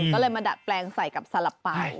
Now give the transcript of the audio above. ก็เลยมาดัดแปลงใส่กับสลับไป